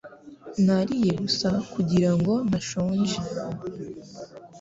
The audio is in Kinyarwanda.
Nariye gusa kugirango ntashonje